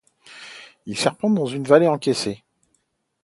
Il serpente dans une vallée encaissée.